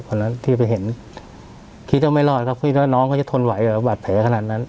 เพราะฉะนั้นที่ไปเห็นคิดว่าไม่รอดครับเพราะฉะนั้นน้องเขาจะทนไหวแบบอาจแผลขนาดนั้น